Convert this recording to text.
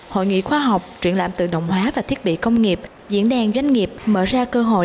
hội nghị khoa học triển lãm tự động hóa và thiết bị công nghiệp diễn đàn doanh nghiệp mở ra cơ hội